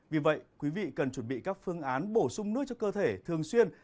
vì vậy quý vị cần chuẩn bị các phương án bổ sung nước cho cơ thể thường xuyên